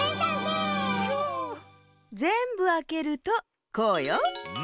ぜんぶあけるとこうよ。